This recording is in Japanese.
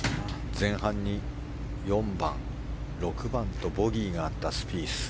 前半に４番、６番とボギーがあったスピース。